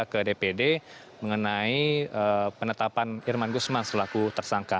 ke dpd mengenai penetapan irman gusman selaku tersangka